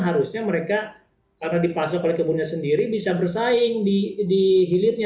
harusnya mereka karena dipasok oleh kebunnya sendiri bisa bersaing di hilirnya di produknya goreng